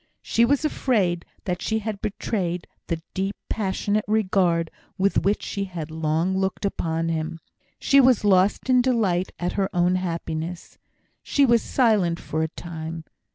She was afraid that she had betrayed the deep, passionate regard with which she had long looked upon him. She was lost in delight at her own happiness. She was silent for a time.